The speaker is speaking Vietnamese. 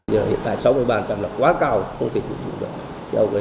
giờ hiện tại sáu mươi là quá cao không thể tự dụng được